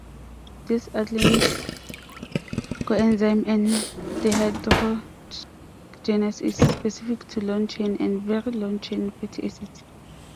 This acyl-Coenzyme A dehydrogenase is specific to long-chain and very-long-chain fatty acids.